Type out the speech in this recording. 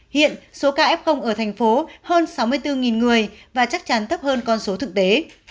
hiện số ca f ở thành phố hơn sáu mươi bốn người và chắc chắn thấp hơn con số thực tế